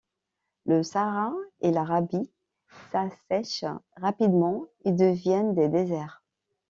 Le Sahara et l'Arabie s'assèchent rapidement et deviennent des déserts.